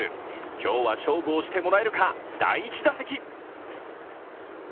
今日は勝負をしてもらえるか、第１打席。